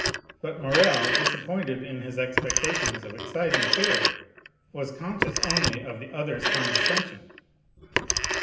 But Morrel, disappointed in his expectations of exciting fear, was conscious only of the other's condescension.